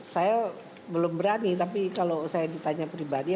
saya belum berani tapi kalau saya ditanya pribadi